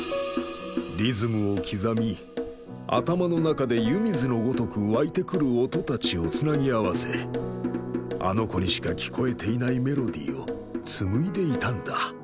リズムを刻み頭の中で湯水のごとく湧いてくる音たちをつなぎ合わせあの子にしか聞こえていないメロディーを紡いでいたんだ。